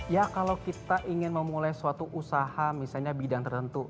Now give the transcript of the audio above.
ya kalau kita ingin memulai suatu usaha misalnya bidang tertentu